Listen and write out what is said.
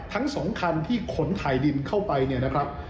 ทั้งสองคันที่ขนถ่ายดินเข้าไปเนี่ยนะครับ